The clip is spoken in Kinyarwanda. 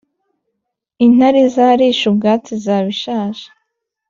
Intare izarisha ubwatsi izabaishaje